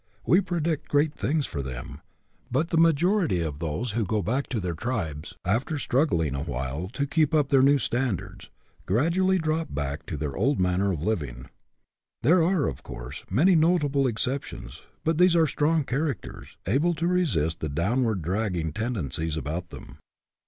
We predict great things for them ; but the majority of those who go back to their tribes, after struggling awhile to keep up their 26 GETTING AROUSED new standards, gradually drop back to their old manner of living. There are, of course, many notable exceptions, but these are strong characters, able to resist the downward drag ging tendencies about them.